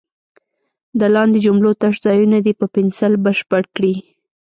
د لاندې جملو تش ځایونه دې په پنسل بشپړ کړي.